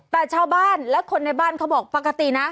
แต่ชาวบ้านและคนในบ้านเขาบอกปกตินะ